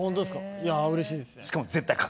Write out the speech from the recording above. いやうれしいですね。